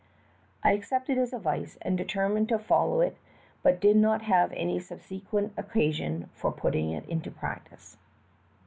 I accepted his advice and determined to follow it, but did not have any subsequent occasion for putting it into practice.